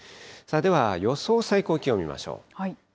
では予想最高気温見ましょう。